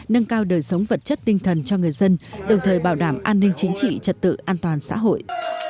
nâng cao đời sống vật chất tinh thần cho người dân đồng thời bảo đảm an ninh chính trị trật tự an toàn xã hội